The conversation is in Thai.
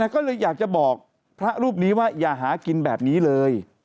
ก็เลยอยากจะบอกพระรูปนี้ว่าอย่าหากินแบบนี้เลย